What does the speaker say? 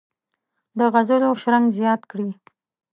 د غزلو شرنګ زیات کړي.